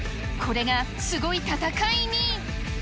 これがすごい戦いに。